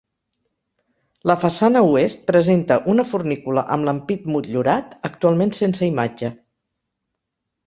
La façana oest presenta una fornícula amb l'ampit motllurat, actualment sense imatge.